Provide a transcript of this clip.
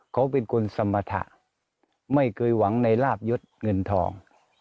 เขาเป็นคนสมรรถะไม่เคยหวังในลาบยศเงินทอง